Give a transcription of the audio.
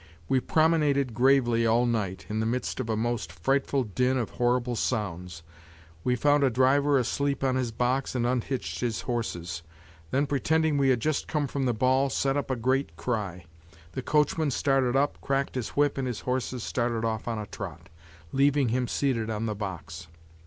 We promenaded gravely all night, in the midst of a most frightful din of horrible sounds. We found a driver asleep on his box and unhitched his horses; then pretending we had just come from the ball, set up a great cry. The coachman started up, cracked his whip and his horses started off on a trot, leaving him seated on the box.